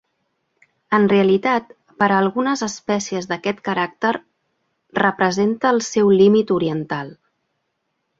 En realitat, per a algunes espècies d’aquest caràcter representa el seu límit oriental.